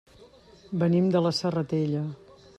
Venim de la Serratella.